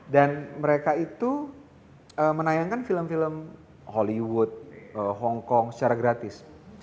dan mereka itu menayangkan film film hollywood hongkong secara gratis